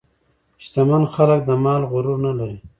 شتمن خلک د مال غرور نه لري.